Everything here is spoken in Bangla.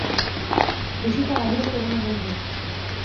বেশি তাড়াহুড়ো করো না বন্ধু।